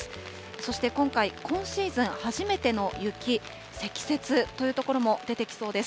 そして今回、今シーズン初めての雪、積雪という所も出てきそうです。